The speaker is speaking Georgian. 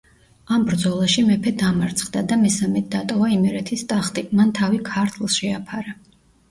ამ ბრძოლაში მეფე დამარცხდა და მესამედ დატოვა იმერეთის ტახტი, მან თავი ქართლს შეაფარა.